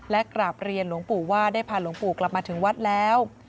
และกราบเรียนหลวงปู่ว่าได้พาหลวงปู่กลับมาถึงวัดแล้ว